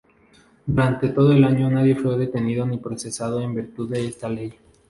Durante todo el año nadie fue detenido ni procesado en virtud de esta ley.